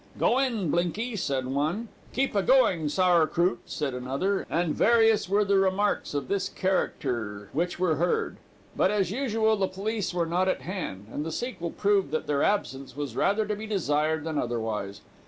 'Go in, blinky,' said one. 'Keep a going, sour krout,' said another; and various were the remarks of this character which were heard. But, as usual, the police were not at hand, and the sequel proved that their absence was rather to be desired than otherwise.